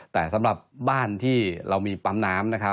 แต่สำหรับบ้านที่เรามีปั๊มน้ำนะครับ